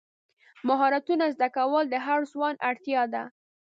مهارتونه زده کول د هر ځوان اړتیا ده.